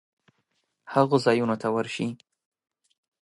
هغو ځایونو ته ورشي